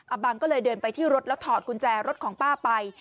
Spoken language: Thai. บังก็เลยเดินไปที่รถแล้วถอดกุญแจรถของป้าไป